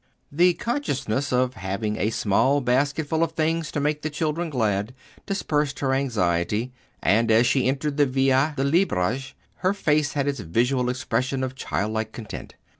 The consciousness of having a small basketful of things to make the children glad dispersed her anxiety, and as she entered the Via de' Libraj her face had its visual expression of childlike content.